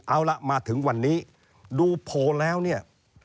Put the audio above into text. เอาล่ะมาถึงวันนี้ดูโพลแล้วเนี่ย